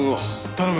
頼む。